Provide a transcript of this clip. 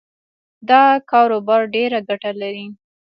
دا کاروبار ډېره ګټه لري